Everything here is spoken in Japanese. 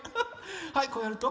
はいこうやると。